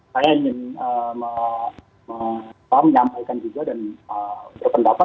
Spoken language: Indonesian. saya ingin menyampaikan juga dan berpendapat